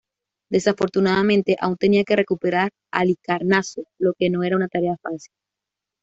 Desafortunadamente, aún tenía que recuperar Halicarnaso, lo que no era una tarea nada fácil.